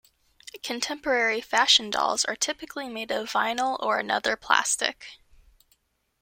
Contemporary fashion dolls are typically made of vinyl or another plastic.